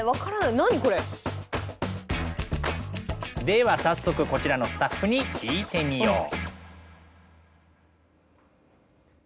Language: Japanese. では早速こちらのスタッフに聞いてみよう。